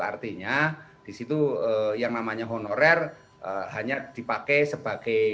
artinya di situ yang namanya honorer hanya dipakai sebagai